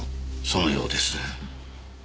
そのようです。